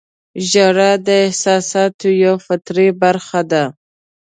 • ژړا د احساساتو یوه فطري برخه ده.